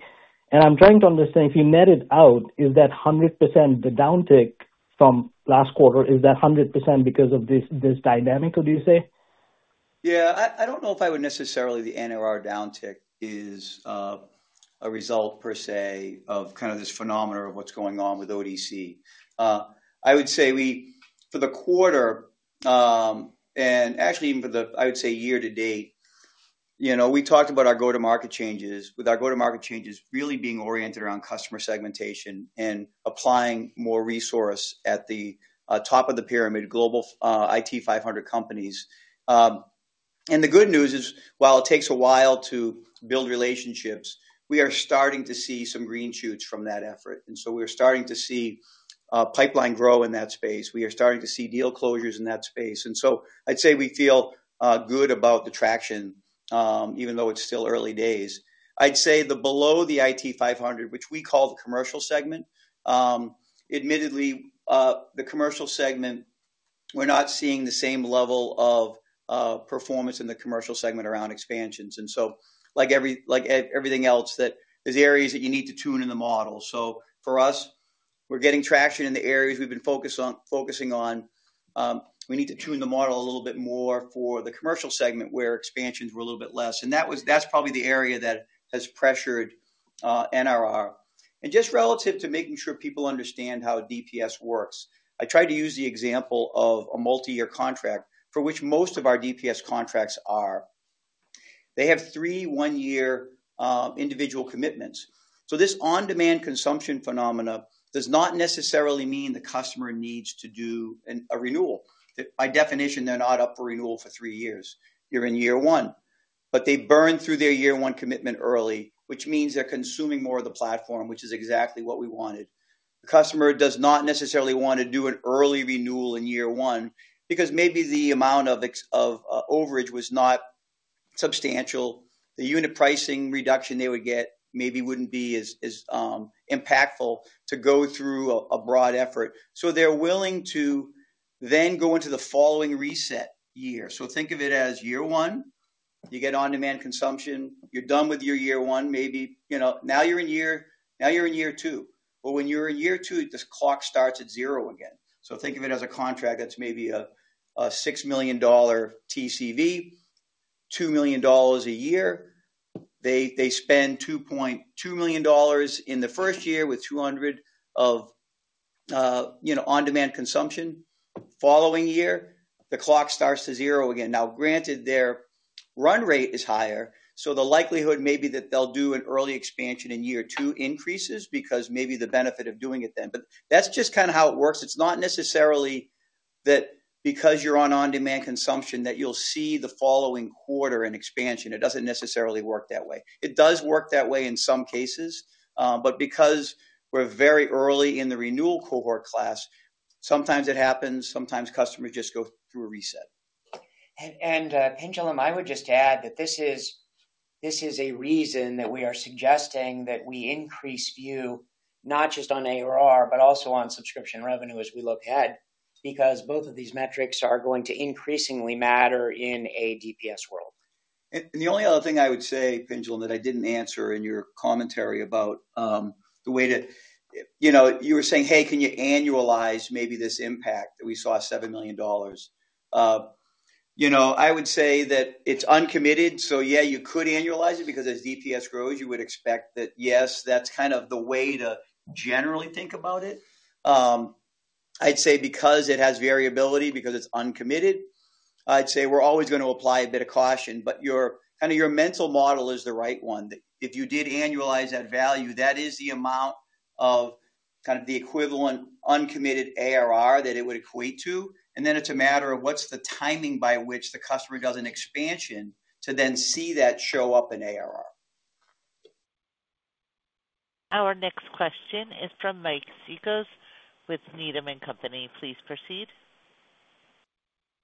And I'm trying to understand if you net it out, is that 100% the downtick from last quarter? Is that 100% because of this dynamic, would you say? Yeah. I don't know if I would necessarily say the NRR downtick is a result per se of kind of this phenomenon of what's going on with ODC. I would say for the quarter, and actually even for the year to date, we talked about our go-to-market changes, with our go-to-market changes really being oriented around customer segmentation and applying more resource at the top of the pyramid, global IT500 companies. And the good news is, while it takes a while to build relationships, we are starting to see some green shoots from that effort. And so we're starting to see pipeline grow in that space. We are starting to see deal closures in that space. And so I'd say we feel good about the traction, even though it's still early days. I'd say below the IT500, which we call the commercial segment, admittedly, we're not seeing the same level of performance in the commercial segment around expansions. And so, like everything else, there's areas that you need to tune in the model. So for us, we're getting traction in the areas we've been focusing on. We need to tune the model a little bit more for the commercial segment where expansions were a little bit less. And that's probably the area that has pressured NRR. And just relative to making sure people understand how DPS works, I tried to use the example of a multi-year contract for which most of our DPS contracts are. They have three one-year individual commitments. So this on-demand consumption phenomena does not necessarily mean the customer needs to do a renewal. By definition, they're not up for renewal for three years in year one. But they burn through their year one commitment early, which means they're consuming more of the platform, which is exactly what we wanted. The customer does not necessarily want to do an early renewal in year one because maybe the amount of overage was not substantial. The unit pricing reduction they would get maybe wouldn't be as impactful to go through a broad effort. So they're willing to then go into the following reset year. So think of it as year one. You get on-demand consumption. You're done with your year one. Maybe now you're in year two. But when you're in year two, this clock starts at zero again. So think of it as a contract that's maybe a $6 million TCV, $2 million a year. They spend $2.2 million in the first year with $200,000 of on-demand consumption. Following year, the clock starts at zero again. Now, granted, their run rate is higher, so the likelihood maybe that they'll do an early expansion in year two increases because maybe the benefit of doing it then. But that's just kind of how it works. It's not necessarily that because you're on on-demand consumption that you'll see the following quarter an expansion. It doesn't necessarily work that way. It does work that way in some cases. But because we're very early in the renewal cohort class, sometimes it happens, sometimes customers just go through a reset. And Pinjalim, I would just add that this is a reason that we are suggesting that we increase view, not just on ARR, but also on subscription revenue as we look ahead because both of these metrics are going to increasingly matter in a DPS world. And the only other thing I would say, Pinjalim, that I didn't answer in your commentary about the way that you were saying, "Hey, can you annualize maybe this impact that we saw $7 million?" I would say that it's uncommitted. So yeah, you could annualize it because as DPS grows, you would expect that, yes, that's kind of the way to generally think about it. I'd say because it has variability, because it's uncommitted, I'd say we're always going to apply a bit of caution. But kind of your mental model is the right one. If you did annualize that value, that is the amount of kind of the equivalent uncommitted ARR that it would equate to. And then it's a matter of what's the timing by which the customer does an expansion to then see that show up in ARR. Our next question is from Mike Cikos with Needham & Company. Please proceed.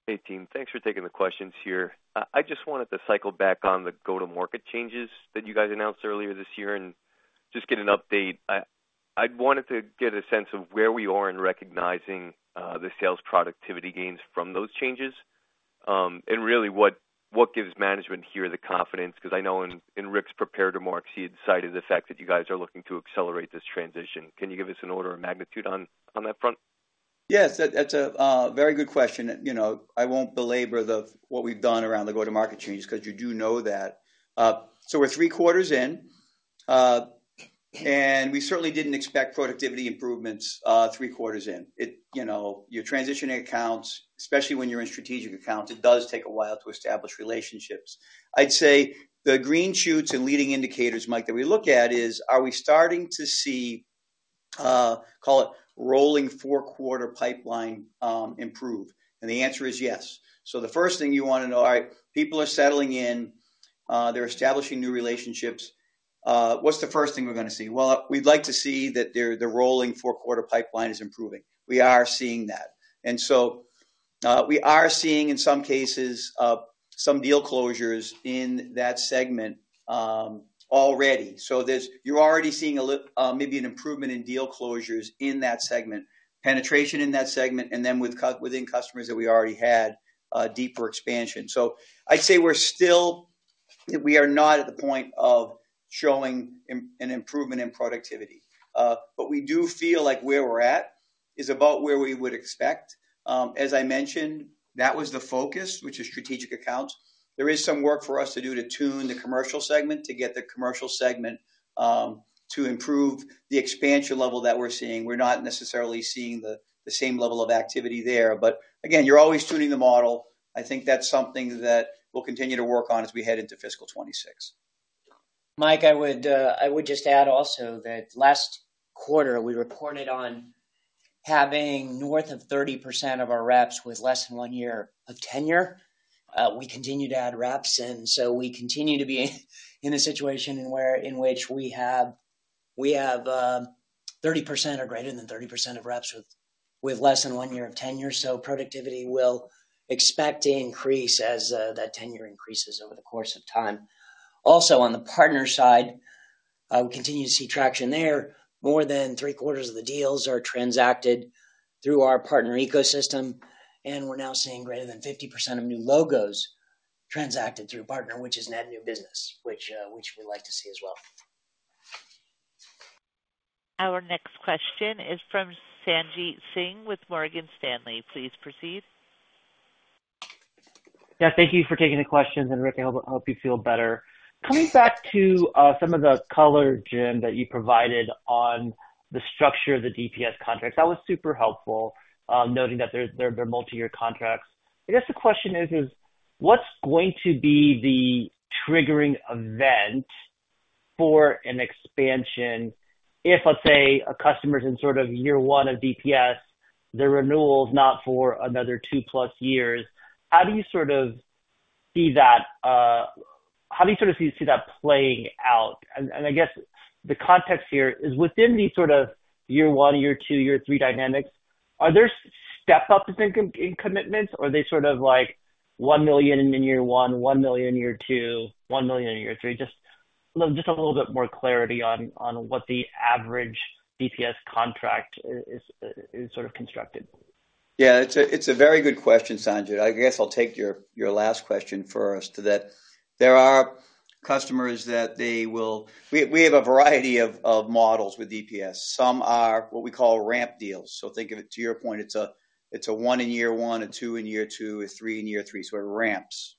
Hey, team. Thanks for taking the questions here. I just wanted to cycle back on the go-to-market changes that you guys announced earlier this year and just get an update. I wanted to get a sense of where we are in recognizing the sales productivity gains from those changes and really what gives management here the confidence because I know in Rick's prepared remarks, he had cited the fact that you guys are looking to accelerate this transition. Can you give us an order of magnitude on that front? Yes. That's a very good question. I won't belabor what we've done around the go-to-market changes because you do know that. So we're three quarters in. And we certainly didn't expect productivity improvements three quarters in. Your transition accounts, especially when you're in strategic accounts, it does take a while to establish relationships. I'd say the green shoots and leading indicators, Mike, that we look at is, are we starting to see, call it rolling four-quarter pipeline improve, and the answer is yes, so the first thing you want to know, all right, people are settling in. They're establishing new relationships. What's the first thing we're going to see? Well, we'd like to see that the rolling four-quarter pipeline is improving. We are seeing that, and so we are seeing in some cases some deal closures in that segment already, so you're already seeing maybe an improvement in deal closures in that segment, penetration in that segment, and then within customers that we already had deeper expansion. So I'd say we're still, we are not at the point of showing an improvement in productivity. But we do feel like where we're at is about where we would expect. As I mentioned, that was the focus, which is strategic accounts. There is some work for us to do to tune the commercial segment to get the commercial segment to improve the expansion level that we're seeing. We're not necessarily seeing the same level of activity there. But again, you're always tuning the model. I think that's something that we'll continue to work on as we head into fiscal 2026. Mike, I would just add also that last quarter, we reported on having north of 30% of our reps with less than one year of tenure. We continue to add reps. And so we continue to be in a situation in which we have 30% or greater than 30% of reps with less than one year of tenure. Productivity will expect to increase as that tenure increases over the course of time. Also, on the partner side, we continue to see traction there. More than three quarters of the deals are transacted through our partner ecosystem. And we're now seeing greater than 50% of new logos transacted through partner, which is net new business, which we like to see as well. Our next question is from Sanjit Singh with Morgan Stanley. Please proceed. Yeah. Thank you for taking the question. And Rick, I hope you feel better. Coming back to some of the color, Jim, that you provided on the structure of the DPS contracts, that was super helpful, noting that they're multi-year contracts. I guess the question is, what's going to be the triggering event for an expansion if, let's say, a customer's in sort of year one of DPS, their renewal is not for another two-plus years? How do you sort of see that? How do you sort of see that playing out? And I guess the context here is within these sort of year one, year two, year three dynamics, are there step-ups in commitments? Are they sort of like one million in year one, one million in year two, one million in year three? Just a little bit more clarity on what the average DPS contract is sort of constructed. Yeah. It's a very good question, Sanjit. I guess I'll take your last question first to that. There are customers that they will, we have a variety of models with DPS. Some are what we call ramp deals. So think of it, to your point. It's a one in year one, a two in year two, a three in year three. So ramps.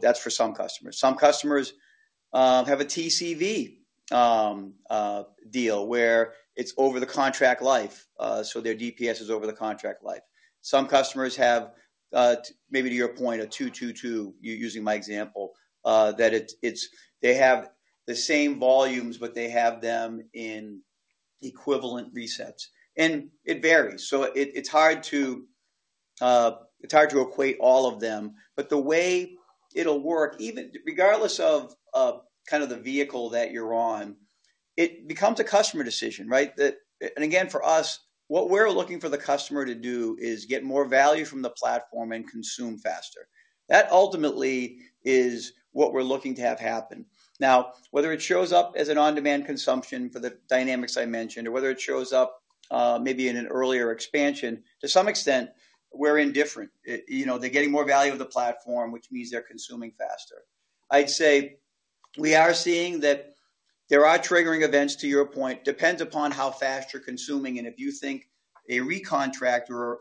That's for some customers. Some customers have a TCV deal where it's over the contract life. So their DPS is over the contract life. Some customers have, maybe to your point, a 222, using my example, that they have the same volumes, but they have them in equivalent resets. And it varies. So it's hard to equate all of them. But the way it'll work, regardless of kind of the vehicle that you're on, it becomes a customer decision, right? And again, for us, what we're looking for the customer to do is get more value from the platform and consume faster. That ultimately is what we're looking to have happen. Now, whether it shows up as an on-demand consumption for the dynamics I mentioned, or whether it shows up maybe in an earlier expansion, to some extent, we're indifferent. They're getting more value of the platform, which means they're consuming faster. I'd say we are seeing that there are triggering events, to your point, depends upon how fast you're consuming. And if you think a recontract or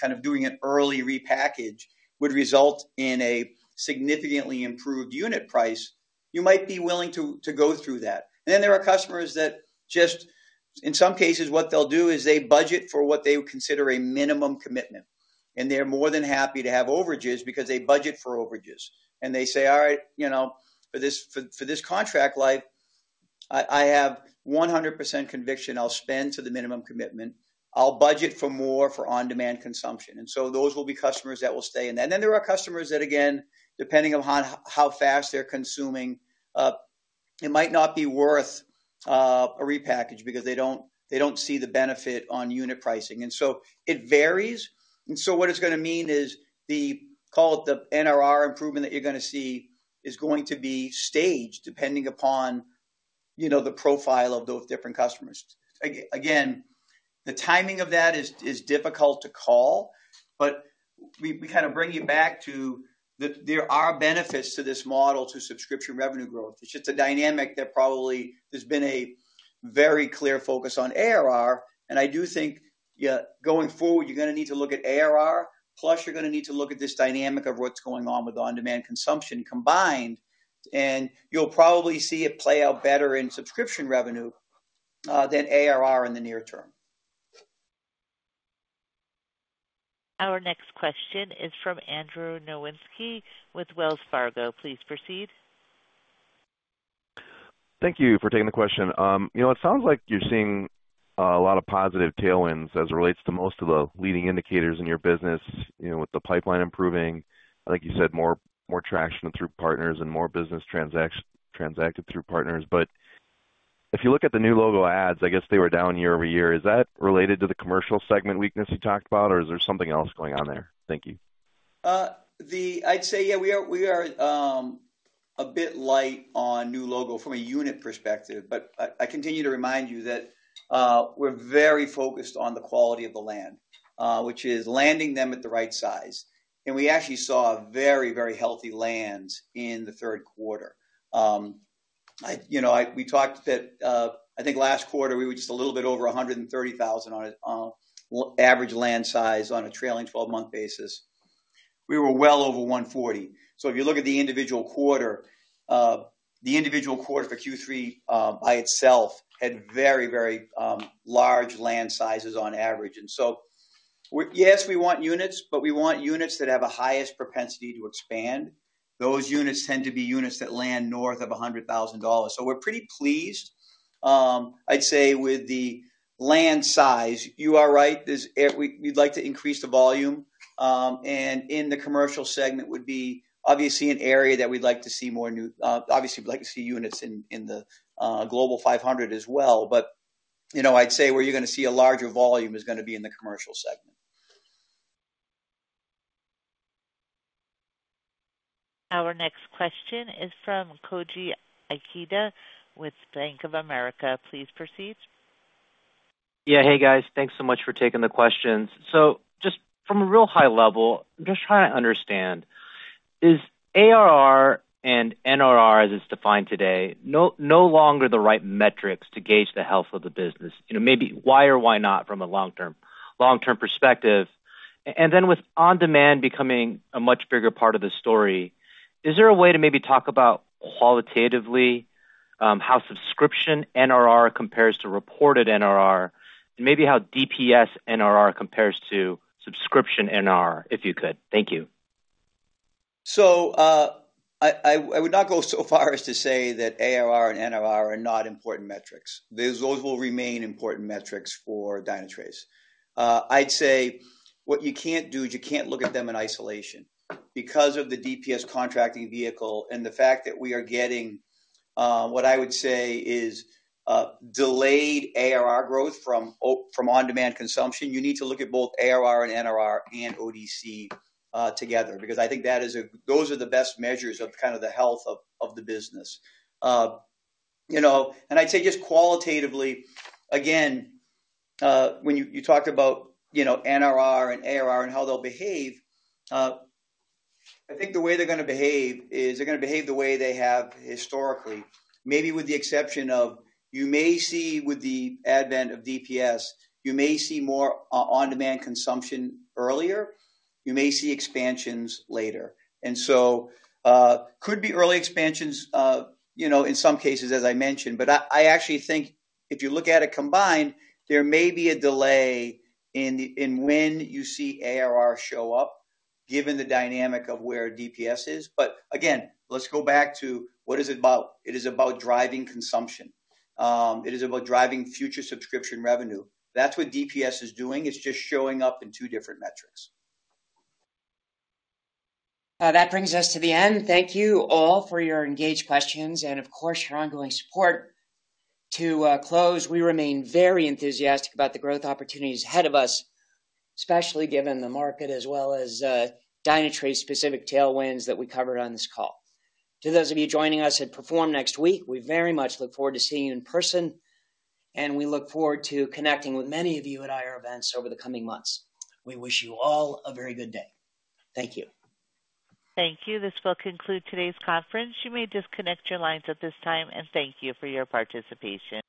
kind of doing an early repackage would result in a significantly improved unit price, you might be willing to go through that. And then there are customers that just, in some cases, what they'll do is they budget for what they consider a minimum commitment. And they're more than happy to have overages because they budget for overages. And they say, "All right, for this contract life, I have 100% conviction I'll spend to the minimum commitment. I'll budget for more for on-demand consumption," and so those will be customers that will stay in that, and then there are customers that, again, depending on how fast they're consuming, it might not be worth a repackage because they don't see the benefit on unit pricing. And so it varies, and so what it's going to mean is, call it the NRR improvement that you're going to see is going to be staged depending upon the profile of those different customers. Again, the timing of that is difficult to call, but we kind of bring you back to there are benefits to this model to subscription revenue growth. It's just a dynamic that probably there's been a very clear focus on ARR, and I do think, yeah, going forward, you're going to need to look at ARR. Plus, you're going to need to look at this dynamic of what's going on with on-demand consumption combined. And you'll probably see it play out better in subscription revenue than ARR in the near term. Our next question is from Andrew Nowinski with Wells Fargo. Please proceed. Thank you for taking the question. It sounds like you're seeing a lot of positive tailwinds as it relates to most of the leading indicators in your business with the pipeline improving. I think you said more traction through partners and more business transacted through partners. But if you look at the new logo adds, I guess they were down YoY. Is that related to the commercial segment weakness you talked about, or is there something else going on there? Thank you. I'd say, yeah, we are a bit light on new logo from a unit perspective. But I continue to remind you that we're very focused on the quality of the land, which is landing them at the right size. And we actually saw very, very healthy lands in the third quarter. We talked that I think last quarter, we were just a little bit over 130,000 on average land size on a trailing 12-month basis. We were well over 140. So if you look at the individual quarter, the individual quarter for Q3 by itself had very, very large land sizes on average. And so, yes, we want units, but we want units that have a highest propensity to expand. Those units tend to be units that land north of $100,000. So we're pretty pleased, I'd say, with the land size. You are right. We'd like to increase the volume. In the commercial segment would be obviously an area that we'd like to see more new, obviously, we'd like to see units in the Global 500 as well. I'd say where you're going to see a larger volume is going to be in the commercial segment. Our next question is from Koji Ikeda with Bank of America. Please proceed. Yeah. Hey, guys. Thanks so much for taking the questions. Just from a real high level, I'm just trying to understand, is ARR and NRR, as it's defined today, no longer the right metrics to gauge the health of the business? Maybe why or why not from a long-term perspective? And then with on-demand becoming a much bigger part of the story, is there a way to maybe talk about qualitatively how subscription NRR compares to reported NRR, and maybe how DPS NRR compares to subscription NRR, if you could? Thank you. So I would not go so far as to say that ARR and NRR are not important metrics. Those will remain important metrics for Dynatrace. I'd say what you can't do is you can't look at them in isolation. Because of the DPS contracting vehicle and the fact that we are getting what I would say is delayed ARR growth from on-demand consumption, you need to look at both ARR and NRR and ODC together because I think those are the best measures of kind of the health of the business. I'd say just qualitatively, again, when you talked about NRR and ARR and how they'll behave, I think the way they're going to behave is they're going to behave the way they have historically, maybe with the exception that you may see, with the advent of DPS, you may see more on-demand consumption earlier. You may see expansions later. And so there could be early expansions in some cases, as I mentioned. But I actually think if you look at it combined, there may be a delay in when you see ARR show up given the dynamic of where DPS is. But again, let's go back to what is it about? It is about driving consumption. It is about driving future subscription revenue. That's what DPS is doing. It's just showing up in two different metrics. That brings us to the end. Thank you all for your engaged questions and, of course, your ongoing support. To close, we remain very enthusiastic about the growth opportunities ahead of us, especially given the market as well as Dynatrace-specific tailwinds that we covered on this call. To those of you joining us at Perform next week, we very much look forward to seeing you in person, and we look forward to connecting with many of you at IR events over the coming months. We wish you all a very good day. Thank you. Thank you. This will conclude today's conference. You may disconnect your lines at this time, and thank you for your participation.